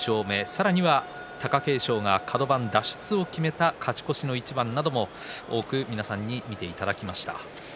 さらには、貴景勝がカド番脱出を決めた勝ち越しの一番なども多く皆さんに見ていただきました。